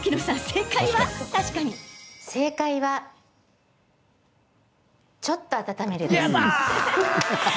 正解はちょっと温めるです。